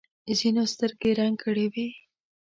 ځینو سترګې رنګ کړې وي.